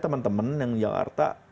teman teman yang jakarta